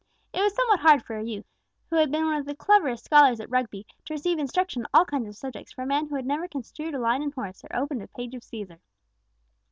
It was somewhat hard for a youth, who had been one of the cleverest scholars at Rugby, to receive instruction on all kinds of subjects from a man who had never construed a line in Horace or opened a page of Cæsar.